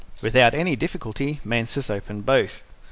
Without any difficulty Mansus opened both.